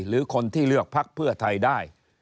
หรือคนที่เลือกพักเพื่อไทยได้